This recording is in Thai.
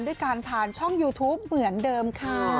เพื่อการทานช่องยูทูปเหมือนเดิมค่ะ